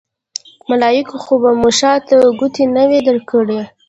ملایکو خو به مو شاته ګوتې نه وي درکړې.